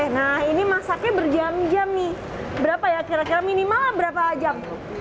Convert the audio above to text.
nah ini masaknya berjam jam nih berapa ya kira kira minimal berapa jam